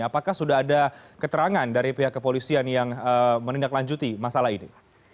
apakah sudah ada keterangan dari pihak kepolisian yang menindaklanjuti masalah ini